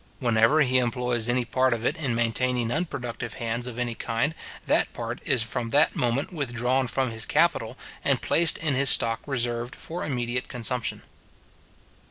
Whenever he employs any part of it in maintaining unproductive hands of any kind, that part is from that moment withdrawn from his capital, and placed in his stock reserved for immediate consumption.